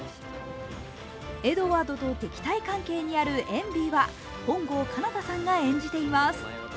エドワードと敵対関係にあるエンヴィーは本郷奏多さんが演じています。